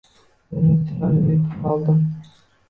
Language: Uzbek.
Uzimga chiroyli uy qura oldim